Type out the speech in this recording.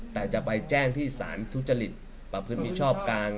แต่จะไปแจ้งที่สารทุจริตประพฤติมิชอบกลาง